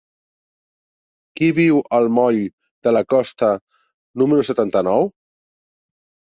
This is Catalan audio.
Qui viu al moll de la Costa número setanta-nou?